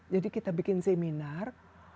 jadi kita bikin seminar